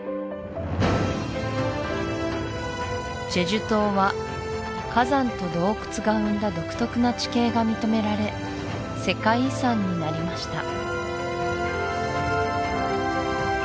済州島は火山と洞窟が生んだ独特な地形が認められ世界遺産になりました